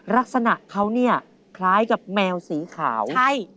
ลักษณะเขาเนี่ยคล้ายกับแมวสีขาวใช่